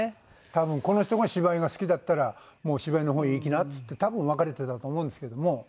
多分この人が芝居が好きだったら「もうお芝居の方にいきな」っつって多分別れてたと思うんですけども。